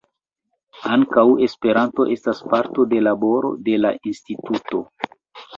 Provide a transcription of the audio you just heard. Ankaŭ Esperanto estas parto de laboro de la instituto.